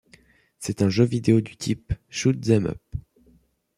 C'est un jeu vidéo du type shoot them up.